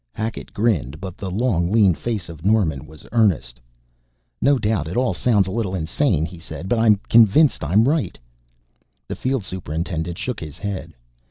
Hackett grinned, but the long, lean face of Norman was earnest. "No doubt it all sounds a little insane," he said, "but I'm convinced I'm right." The field superintendent shook his head.